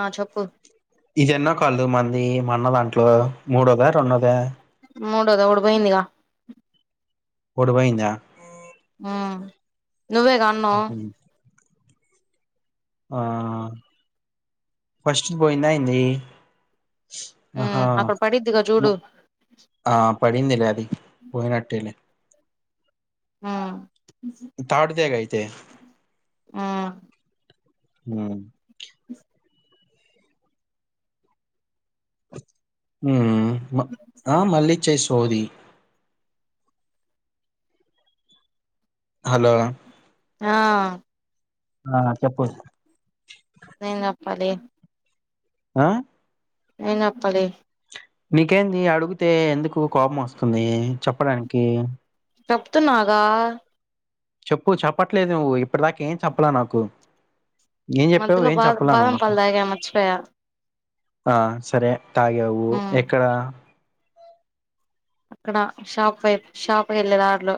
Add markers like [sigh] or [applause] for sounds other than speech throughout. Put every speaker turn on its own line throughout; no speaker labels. ఆ చెప్పు
ఇదేన్నో కాల్ మంది మ అన్న దాంట్లో మూడోదా రెండోదా
మూడోది ఒకటి పోయిందిగా
ఒకటి పోయిందా
ఉమ్మ్ నువ్వేగా అన్నావ్
ఉహు. ఆ ఫస్ట్‌ది పోయిందా ఎంది
ఉమ్
ఆహా
అక్కడ పడిద్దిగా చూడు
ఆ ప పోయిందిలే అది పోయినట్టేలే
ఉమ్మ్
పాడుతేగ అయితే
ఉమ్మ్
హ్మ్
[inaudible]
ఉహ్మ్ ఆ మళ్ళిచ్చై సోది హలో
ఆ
ఆ చెప్పు
ఏం చెప్పాలి
ఆ
ఏం చెప్పాలి
నీకేంది అడుగితే ఎందుకు కోపం వస్తుంది చెప్పడానికి
చెప్తున్నాగా
చెప్పు చెప్పట్లేదు నువ్వు ఇప్పటి దాకా ఏం చెప్పాల నాకు ఏం చెప్పావ్
మధ్యలో
ఏం
బా
చెప్పలే నువ్వు
బాదం
నాకు
పాలు తాగా మర్చిపోయా
ఆ సరే తాగావు
ఉమ్
ఎక్కడ
అక్కడ షాప్ వైప్ షాప్ వెళ్ళే దారిలో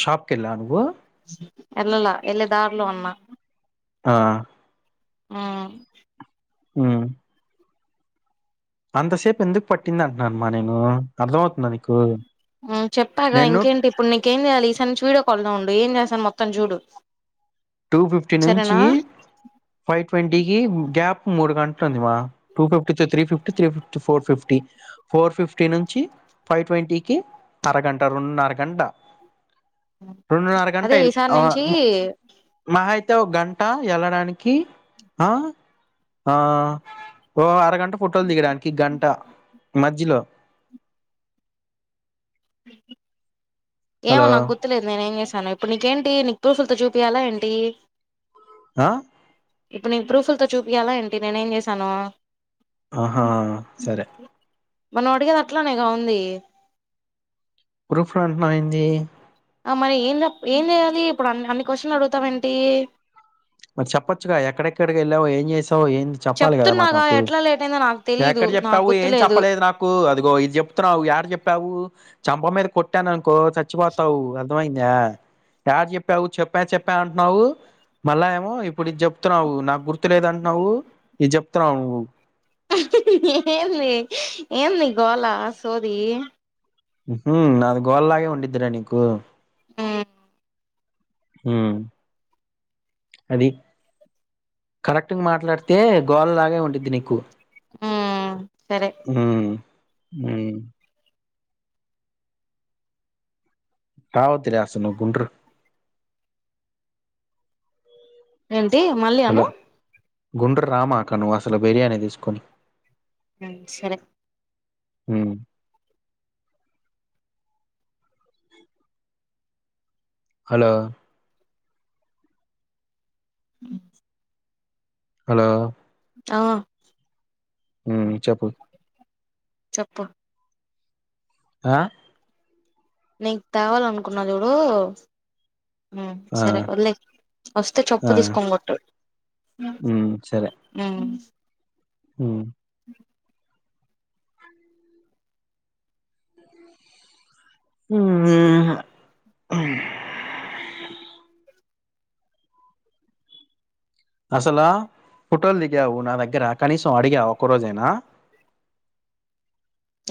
షాప్ కెళ్ళావా నువ్వు
ఎల్లలా ఎలే దార్లో అన్నా
ఆ
ఆ
మ్ అంతసేప్ ఎందుకు పట్టింది అంటున్నానమా నేను అర్థ అవుతుందా నీకు
అ చెప్పాగా
నేను
ఇంకేంటి ఇప్పుడు నీకేం జేయాలి ఈసారి నుంచి వీడియో కాల్లో ఏం చేసాను మొత్తం జూడు
టూ ఫిఫ్టీ నుంచి ఫైవ్ ట్వంటీకి గ్యాప్ మూడు గంట ఉంది మా టూ ఫిఫ్టీ త three fifty three fifty four fifty four fifty నుంచి ఫైవ్ ట్వంటీకి అరగంట రెండున్నర గంట రెండున్నర గంట
అదే
ఎల్
ఈసారి
ఆ
నుంచి
మహా అయితే ఓ గంట ఎళ్ళడానికి ఆ ఆ ఓ అరగంట ఫోటోల్ దిగడానికి గంట మధ్యలో
ఏమో
హలో!
నాకు గుర్తులేదు నేనేం చేశానొ ఇప్పుడ్ నీకేంటి నీకు ప్రూఫ్ల్తో చూపియాలా ఏంటి
ఆ
ఇప్పుడు నెన్ ప్రూఫ్ల్తో చూపియాలా ఏంటి నేనే ఏం చేశానొ
ఆహా సరే
మనం అడిగేది అట్లానే గా ఉంది
ప్రూఫ్లన్టావేంది
ఆ మరి ఏంద ఏం జెయాలి ఇప్పుడు అన్ని క్వశ్చన్లు అడుగుతావేంటి
మరి చెప్పొచ్చుగా ఎక్కడెక్కడికి ఎళ్ళావ్ ఏం జేసావ్ ఏం చెప్పాలి గా
చెప్తున్నాగా
నాకు
ఎట్లా లేట్ అయిందో నాకు తెలీదు
ఎక్కడ
నాకు
చెప్పావు ఏం
గుర్తులేదు
చెప్పలేదు నాకు అదిగో ఇది చెప్తున్నావు యాడ చెప్పావు [unintelligible] యాడ జెప్పావు చెప్పా చెప్పా అంట్న్నావు మళ్ళా ఏమో ఇప్పుడు ఇది జెప్తున్నావు నాకు గుర్తు లేదంటన్నావు ఇది జెప్తున్నావు నువ్వు
హహహహహ ఏంది ఏం నీ గోలా సోదీ
మ్హ్ అది గోల్లాగే ఉండిద్దిలే నీకు
మ్మ్
మ్ అది కరెక్ట్గమాట్లాడితే గోళ్ లాగే ఉండిద్ది నీకు
మ్మ్ సరే
మ్ మ్ రావొద్దు లె అసల్ ను గుంట్రు
ఏంటి మళ్ళీ అను
గుంట్ర్ రామాక నువ్వు అసలు బిర్యానీ దిస్కొని
మ్ సరే
మ్ హలో
మ్
హలో
ఆ
మ్ చెప్పు
చెప్పు
ఆ
నీక్ తేవాలనుకున్నా జూడు ఊ
ఆ!
సరే ఒదిలే ఒస్తే
ఆ!
[unintelligible] మ్
మ్ మ్ అసలా పుటోలు దిగావు నా దగ్గర కనీసం అడిగావ ఒక్క రోజైనా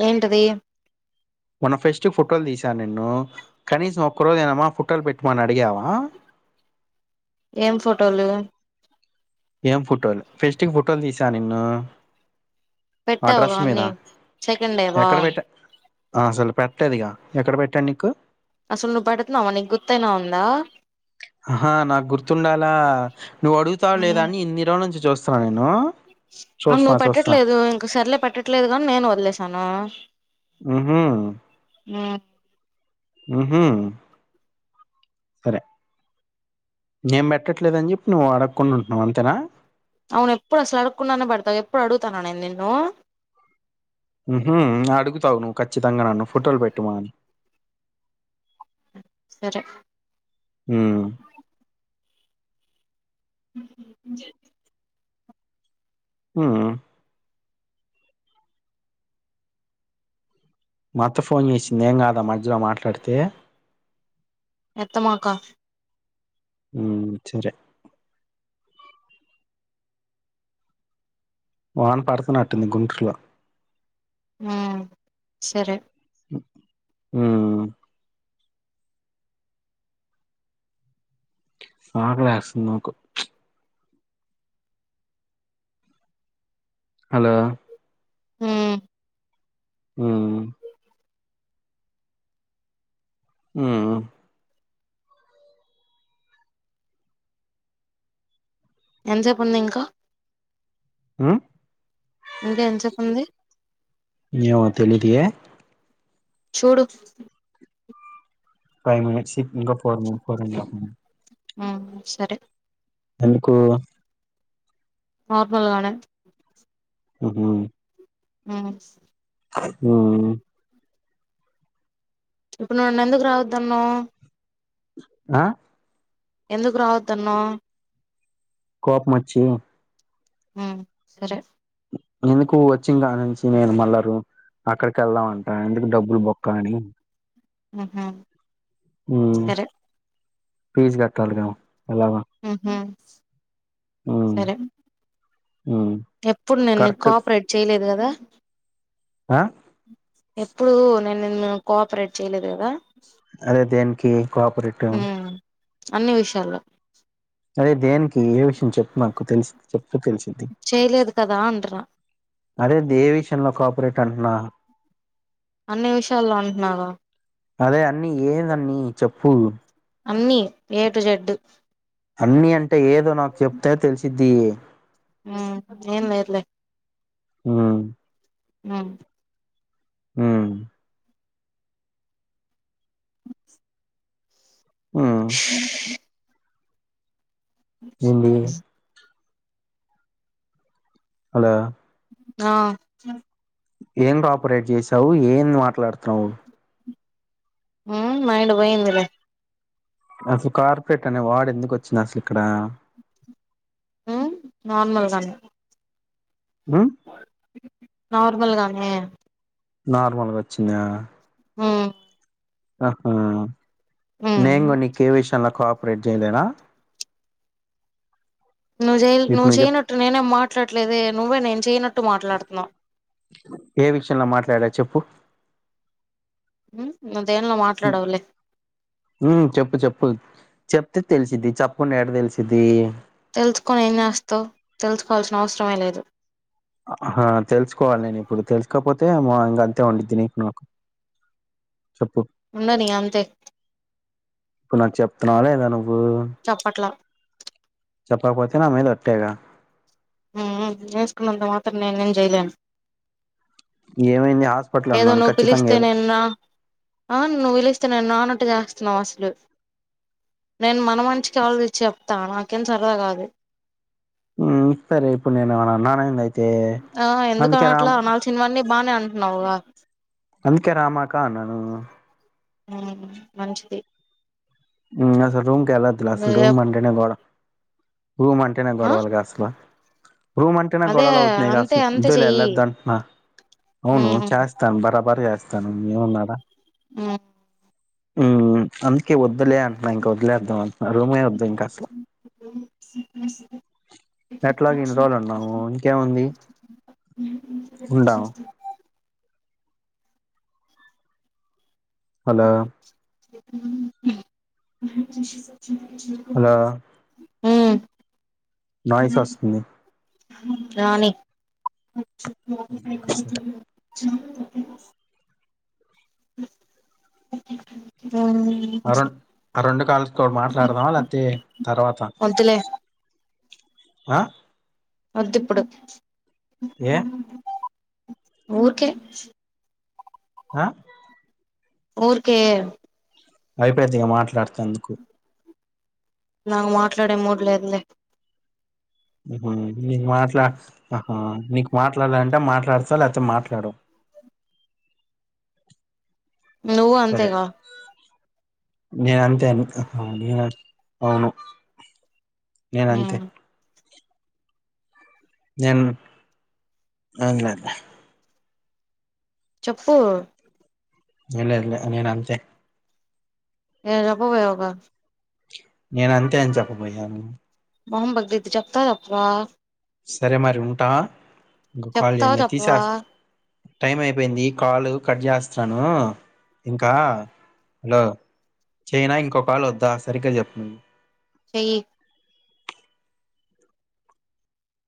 ఏంటిది
మొన్న ఫెస్ట్ ఫుటోలు తీసాను నిన్ను కనీసం ఒక్క రోజ ఐనా ఫుటోల్ పెట్టుమని అడిగావా
ఏం ఫోటోలు
ఏం ఫుటోలు ఫెస్టిక్ ఫుటోలు తీసా నిన్ను
పెట్టావుగా
అడ్రస్ మీద
అన్ని సెకండ్ డేవా
ఎక్కడ పెట్ట అసలు పెట్టలేదుగా ఎక్కడ పెట్టాను నీకు
అసలు నువ్వు పెడుతున్నావ నీకు గుర్తయినా ఉందా
ఆహా నాకు గుర్తుండాలా నువ్వు అడుగుతావ లేదా అని ఇన్ని రోజుల నుంచి చూస్తున్నా నేను
అవును
చూస్తున్నా.
నువ్వు
చూస్తున్నా.
పెట్టట్లేదు ఇంక సర్లే పెట్టట్లేదు గా అని నేను వదిలేసాను
హ్మ్ హ్మ
నా
హ్మ్ హ్మ సరే నేన్ పెట్టట్లేదని చెప్పి నువ్వు అడక్కుని ఉంటున్నావు అంతేనా
అవును ఎప్పుడు అసలు అడుగకుండానే పెడతావ్ ఎప్పుడు అడుగుతాన నేను నిన్ను
హ్మ్మ్ అడుగుతావు నువ్వు ఖచ్చితంగా నన్ను ఫొటోలు పెట్టమని
సరే
హ్మ
ఏం చేస్
హ్మ మా అత్త ఫోన్ చేసింది ఏం కాదా మధ్యలో మాట్లాడితే
ఎత్తమాకా
హ్మ సరే వాన్ పడుతునట్టు ఉంది గుంటురులో
ఆ సరే
హ్మ ఆకెళ్తేస్తుంది నాకు హలో
హ్మ్
హు హ్మ్
ఎంత సేపు ఉంది ఇంకా
హ్మ్
ఇంకా ఎంత సేపుంది
ఏమో తెలిదు యే
చూడు
ఫైవ్ మినట్స్ ఇంకా ఫోర్ అండఫ్ మిన్
హ్మ సరే
ఎందుకు
అకిలికలే
ఉహు
హ్మ్
హ్మ్ హ్మ
ఇప్పుడు నన్నేందుకు రావద్దన్నవ్
ఆ
ఎందుకు రావద్దన్నవ్
కోపం మచ్చి
హ్మ సరే
ఎందుకు వచ్చి ఇంకా నుంచి నేను మల్లరు అక్కడికెల్దామంటా ఎందుకు డబ్బులు బొక్క అని
హ్మ్ హ్మ
ఊ పీజ్ కట్టాలిగా ఎలాగో
ఉహు
ఉమ్
సరే
ఉమ్
ఎప్పుడు నేన్ నిక్
కరెక్ట్
కోఆపరేట్ చెయలేదు గదా
ఆ
ఎప్పుడు నేన్ నిన్ కోఆపరేట్ చేయలేదు గదా
అదే దేన్కి కోపరేటివ్
ఉమ్ అన్ని విషయాల్లో
అదే దేనికి ఏ విషయం చెప్పు నాకు తెలిసి తెలిసింది
చేయలేదు కదా అంటున్నా
అదే దే విషయంలో కోఆపరేట్ న్నా
అన్ని విషయాల్లో అంటున్నాను
అదే అన్నీ ఏదన్నీ చెప్పు
అన్నీ ఏటు జడ్డు
అన్నీ అంటే ఏదో నాకు చెప్తే తెలిసిద్ధి
ఉ ఏం లేదులే
ఉ
ఊ
ఉ ఉమ్ ఏంది అదా
ఆ
ఏం రాపరేటివ్ చేసావు ఏం మాట్లాడుతున్నావు
ఊ మైండ్ వోయిందిలే
అసలు కార్పరేట్ అనే వాడ ఎందుకు వచ్చింది అసలు ఇక్కడ
నార్మల్గానే
ఊ
నార్మల్గానే
నార్మల్గా వచ్చిందా
ఆ
ఆహా నెంగూడ నీకే విషంలా రేడ్ లేనా
నువ్వు నువ్వు చేయనట్టు నేనేం మాట్లాడలేదే నువ్వే నేను చేయనట్టు మాట్లాడుతున్నా
ఏ విషయంలో మాట్లాడచ్చ
ఉమ్ నువ్వు దేనిలో మాట్లాడవులే
చెప్పు చెప్పు చెప్పు అ తెలిసిది చప్పుకుడా ఏడ తెలిసిది
తెలుసుకొని ఏనాస్తో తెలుసుకోవాల్సిన అవసరమే లేదు
ఆ తెలుసుకోవాలి నేను ఇప్పుడు తెలుసుకోకపోతే మా ఇం అంతే ఉండిది నీకు నాకు చెప్పు
ఉండ న అంతే
ఇప్పుడు నాకు చెప్తున్నాాలేదను
చప్పట్లా
చెప్పకపోతే నా మీదొట్టేగా ఇక
చేేసుకున్నంత మాత్రం నేను నేను చేయలేను
ఏమంది
ఏదో నువ్వు పిలిస్తే నే ఆ నువ్వు పిలిస్తే నే నా అట్ చేస్తున్నాం అసలు నేను మన మంచికే ఆలోచించి చెప్తా నాకేం సరదా కాదు
హు సరే ఇప్పుడు నేను ఏమన్నా అన్నానా ఏంది
ఆ ఎందుకు అనట్లే అనాల్సిన అవన్నీ బానే అంటున్నావు గా
అందుకే రామాకా అన్నను
హు మంచిది
హు అసలు రూమ్ కెల్లోద్దురా అసలు
నువ్వే
రూమ్ అంటేనే గోల రూమ్ అంటేనే
ఆ
గొడవలుగా అసలు రూమ్ అంటేనే
అదే
గొడవలు అవుతున్నాయి
అంతే
అస్సలు
అంతే
వద్దు లే
చెయ్యి
వెళ్ళదు అంటున్నా అవును
మ్మ్
చేస్తాను బరాబరి చేస్తాను ఏమున్నాడా
హు
హు అందుకే వద్దులే అంటున్నా ఇంక వదిలేద్దాం అంటున్నా రూమే వద్దు ఇంకా అసలు
[unintelligible]
ఎట్లాగ ఇన్ని రోజులు ఉన్నాము ఇంకేముంది ఉందాము హలో
[unintelligible]
హలో
[unintelligible]
నాయస్ వస్తుంది
రానీ [unintelligible] చూడు దగ్గరకు వస్తుంది [unintelligible]
అరుణ్ రెండు కాలుతో మాట్లాడుదామా లేకపోతే తర్వాత
వద్దులే
ఆహ
వద్దు ఇప్పుడు
ఏ
ఊరికే
ఆహ
ఊరికే
అయిపోయింది గా మాట్లాడుతందుకు
నాకు మాట్లాడే మూడు లేదు లే
హు నీ మాట్లా ఆహా నీకు మాట్లాడాలంటే మాట్లాడుతావ్ లేకపోతే మాట్లాడవు
నువ్వు
సరే
అంతేగా
నేను అంతే అను నేను అవును నేను అంతే
మ్
నేన్ ఏం లేదులే
చెప్పు
ఏం లేదులే నేను అంతే
ఏ [unintelligible]
నేన అంతే అని చెప్పబోయాను
మొహం బగలిద్ది చెప్తావా చెప్పవా
సరే మరి ఉంటా ఇంకా కాల్
చెప్తావా
చేయనా తీసా
చెప్పవా
టైం అయిపోయింది కాల్ కట్ చేస్తున్నాను ఇంకా హలో చైనా ఇంకో కాల్ వద్దా సరిగ్గా చెప్పను
చేయి